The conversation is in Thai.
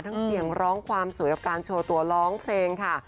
เสียงร้องความสวยกับการโชว์ตัวร้องเพลงค่ะ